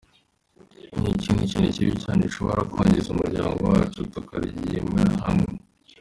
Ni ikindi kintu kibi cyane gishobora kwangiza umuryango wacu tutakirwanyirije hamwe.